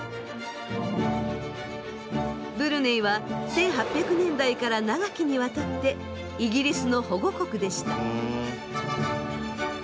ブルネイは１８００年代から長きにわたってイギリスの保護国でした。